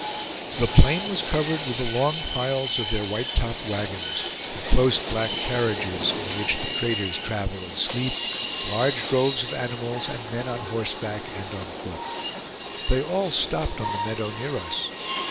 The plain was covered with the long files of their white topped wagons, the close black carriages in which the traders travel and sleep, large droves of animals, and men on horseback and on foot. They all stopped on the meadow near us.